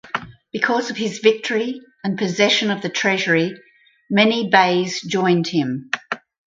Because of his victory and possession of the treasury many beys joined him.